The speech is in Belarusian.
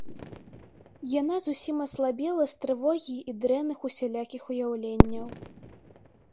Яна зусім аслабела з трывогі і дрэнных усялякіх уяўленняў.